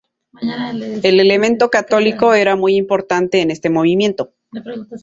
El elemento católico era muy importante en este movimiento.